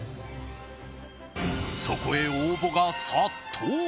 そこへ応募が殺到。